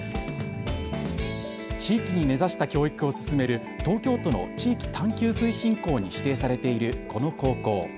地域に根ざした教育を進める東京都の地域探究推進校に指定されているこの高校。